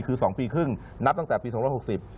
คือ๒ปีครึ่งนับตั้งแต่ปี๒๖๐